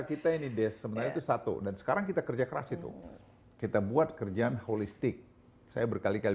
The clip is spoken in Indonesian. kita ini des sebenarnya itu satu dan sekarang kita kerja keras itu kita buat kerjaan holistik saya berkali kali